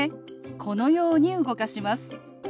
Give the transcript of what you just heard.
このように動かします。